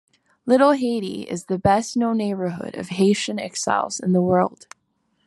Little Haiti is the best known neighborhood of Haitian exiles in the world.